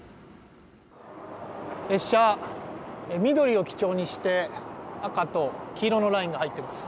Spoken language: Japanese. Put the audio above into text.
列車、緑を基調にして赤と黄色のラインが入っています。